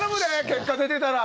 結果出てたら。